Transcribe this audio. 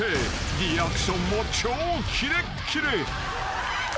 ［リアクションも超キレッキレ］